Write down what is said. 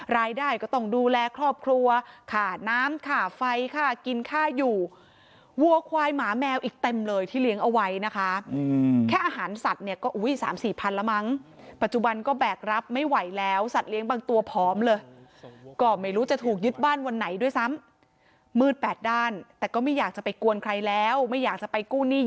รายได้ก็ต้องดูแลครอบครัวขาดน้ำค่าไฟค่ากินค่าอยู่วัวควายหมาแมวอีกเต็มเลยที่เลี้ยงเอาไว้นะคะแค่อาหารสัตว์เนี่ยก็อุ้ยสามสี่พันแล้วมั้งปัจจุบันก็แบกรับไม่ไหวแล้วสัตว์เลี้ยงบางตัวผอมเลยก็ไม่รู้จะถูกยึดบ้านวันไหนด้วยซ้ำมืดแปดด้านแต่ก็ไม่อยากจะไปกวนใครแล้วไม่อยากจะไปกู้หนี้